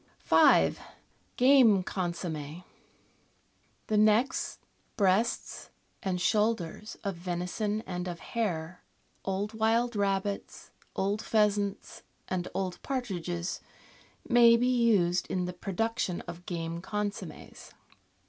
' 5— GAME CONSOMME The necks, breasts, and shoulders of venison and of hare, old wild rabbits, old pheasants, and old partridges may be used in the production of game consommes.